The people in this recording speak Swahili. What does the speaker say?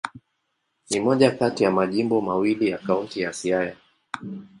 Ni moja kati ya majimbo mawili ya Kaunti ya Siaya.